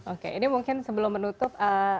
oke ini mungkin sebelum menutup